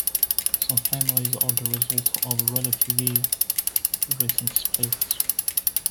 Some families are the results of relatively recent splits.